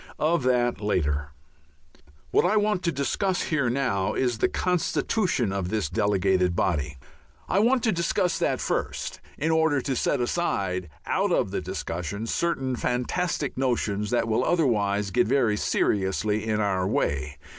Of that later. What I want to discuss here now is the constitution of this delegated body. I want to discuss that first in order to set aside out of the discussion certain fantastic notions that will otherwise get very seriously in our way.